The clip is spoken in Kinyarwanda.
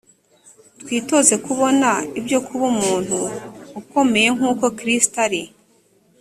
twitoze kubona ibyo kuba umuntu ukomeye nk uko kristo ari